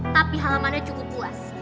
tapi halamannya cukup luas